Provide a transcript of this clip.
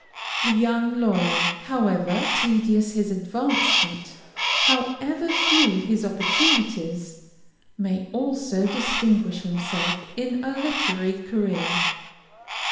"The young lawyer, however tedious his advancement, however few his opportunities, may also distinguish himself in a literary career.